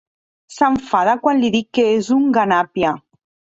S'enfada quan li dic que és un ganàpia.